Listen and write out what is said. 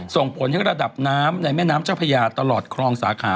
ส่งผลให้ระดับน้ำในแม่น้ำเจ้าพญาตลอดคลองสาขา